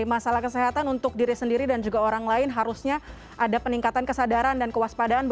masalah kesehatan untuk diri sendiri dan juga orang lain harusnya ada peningkatan kesadaran dan kewaspadaan